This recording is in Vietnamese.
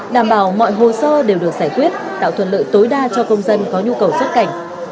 đảm bảo mọi hồ sơ đều được giải quyết tạo thuận lợi tối đa cho công dân có nhu cầu xuất cảnh